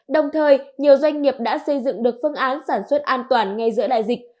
đồng thời nhiều doanh nghiệp đã xây dựng được phương án sản xuất an toàn ngay giữa đại dịch